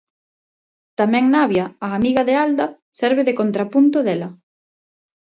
Tamén Navia, a amiga de Alda, serve de contrapunto dela.